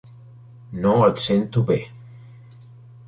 No et sento bé.